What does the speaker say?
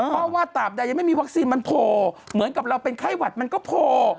เพราะว่าตราบใดยังไม่มีวัคซีนมันโผล่เหมือนกับเราเป็นไข้หวัดมันก็โผล่